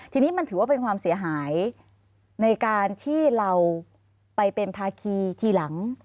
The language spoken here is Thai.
ทีนี้มันถือว่าเป็นความเสียหายในการที่เราไปเป็นภาคีทีหลัง